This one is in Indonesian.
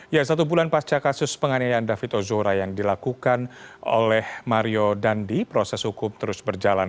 ya satu bulan pasca kasus penganiayaan david ozora yang dilakukan oleh mario dandi proses hukum terus berjalan